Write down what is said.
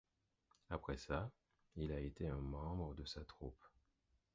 Après ça, il a été un membre de sa troupe.